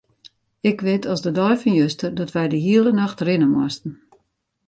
Ik wit as de dei fan juster dat wy de hiele nacht rinne moasten.